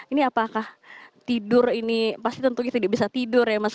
ini apakah tidur ini pasti tentunya tidak bisa tidur ya mas